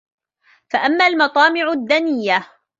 فَأَمَّا الْمَطَامِعُ الدَّنِيَّةُ